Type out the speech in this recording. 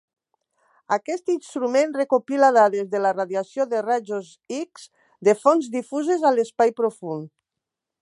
Aquest instrument recopila dades de la radiació de rajos X de fonts difuses a l"espai profund.